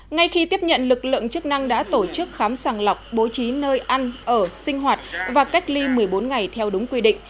ngay khi tiếp nhận lực lượng chức năng đã tổ chức khám sàng lọc bố trí nơi ăn ở sinh hoạt và cách ly một mươi bốn ngày theo đúng quy định